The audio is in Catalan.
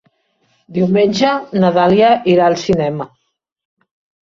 Diumenge na Dàlia irà al cinema.